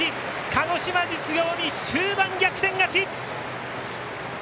鹿児島実業に終盤、逆転勝ち。